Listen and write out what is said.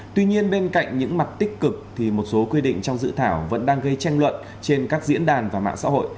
tuy nhiên bên cạnh những mặt tích cực thì một số quy định trong dự thảo vẫn đang gây tranh luận trên các diễn đàn và mạng xã hội